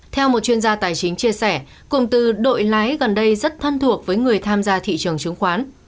theo một chuyên gia tài chính chia sẻ cụm từ đội lái gần đây rất thân thuộc với người tham gia thị trường chứng khoán